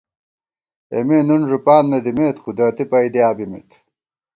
اېمے نُن ݫُپان نہ دِمېت ، قدرتی پئیدِیا بِمېت